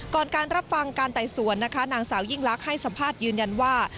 การรับฟังการไต่สวนนะคะนางสาวยิ่งลักษณ์ให้สัมภาษณ์ยืนยันว่า